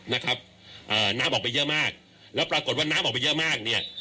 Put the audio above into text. นะครับเอ่อน้ำออกไปเยอะมากแล้วปรากฏว่าน้ำออกไปเยอะมากเนี่ย